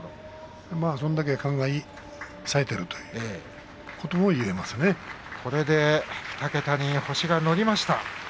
それだけ勘がいいさえているということもこれで２桁に星がのりました。